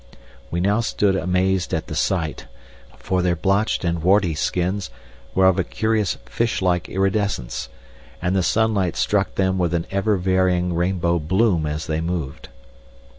We now stood amazed at the sight, for their blotched and warty skins were of a curious fish like iridescence, and the sunlight struck them with an ever varying rainbow bloom as they moved.